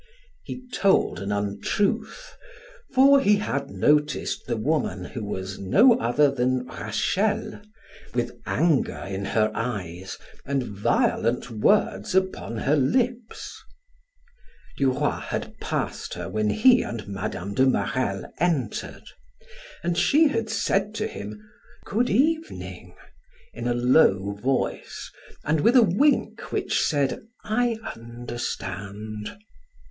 He told an untruth, for he had noticed the woman, who was no other than Rachel, with anger in her eyes and violent words upon her lips. Duroy had passed her when he and Mme. de Marelle entered and she had said to him: "Good evening," in a low voice and with a wink which said "I understand."